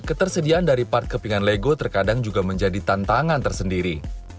ketersediaan dari part kepingan lego terkadang juga menjadi tantangan tersendiri